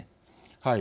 はい。